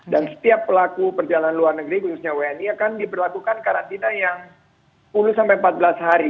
jadi untuk perjalanan luar negeri khususnya wni akan diperlakukan karantina yang sepuluh sampai empat belas hari